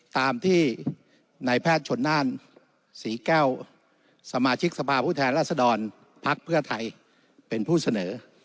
ตามที่นายแพทย์ชนน่านศรีแก้วสมาชิกสภาพผู้แทนรัศดรพักเพื่อไทยเป็นผู้เสนอ